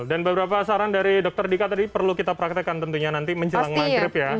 dan beberapa saran dari dr dika tadi perlu kita praktekkan tentunya nanti menjelang maghrib ya